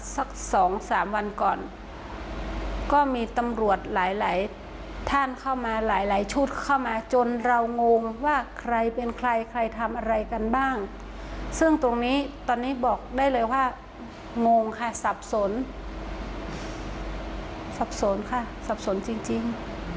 สักสองสามวันก่อนก็มีตำรวจหลายหลายท่านเข้ามาหลายหลายชุดเข้ามาจนเรางงว่าใครเป็นใครใครทำอะไรกันบ้างซึ่งตรงนี้ตอนนี้บอกได้เลยว่างงค่ะสับสนสับสนค่ะสับสนจริง